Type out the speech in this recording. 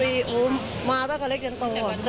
พูดสิทธิ์ข่าวธรรมดาทีวีรายงานสดจากโรงพยาบาลพระนครศรีอยุธยาครับ